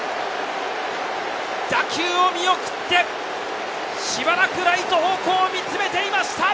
打球を見送ってしばらくライト方向を見つめていました。